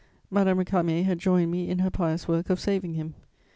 Madame Récamier had joined me in her pious work of saving him.